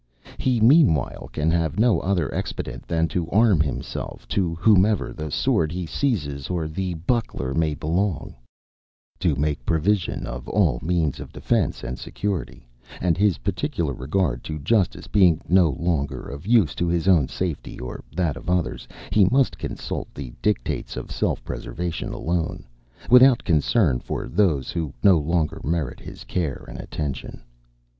He, meanwhile, can have no other expedient than to arm himself, to whomever the sword he seizes, or the buckler may belong: to make provision of all means of defence and security: and his particular regard to justice being no longer of use to his own safety or that of others, he must consult the dictates of self preservation alone, without concern for those who no longer merit his care and attention....